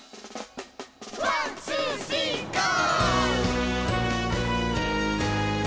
ワンツースリーゴー！